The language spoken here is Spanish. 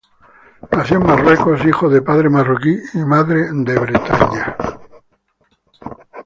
Nació en Marruecos, hija de padre marroquí y madre de Bretaña.